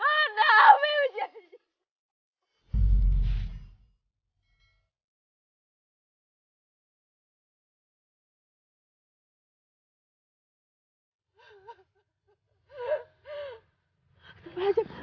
ada apa yang jadi